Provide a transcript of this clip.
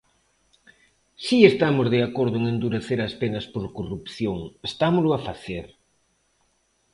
Si estamos de acordo en endurecer as penas por corrupción; estámolo a facer.